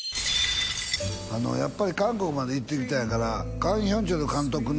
やっぱり韓国まで行ってきたんやからカン・ヒョンチョル監督の